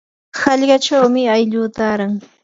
qallqachawmi aylluu taaran.